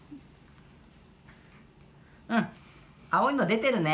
うん青いの出てるね。